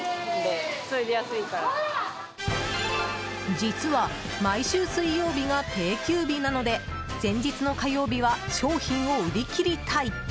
実は毎週水曜日が定休日なので前日の火曜日は商品を売り切りたい！